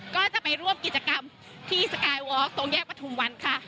ก็จะไปร่วมกิจกรรมที่สกายวอร์กตรงแยกประทุมวันค่ะ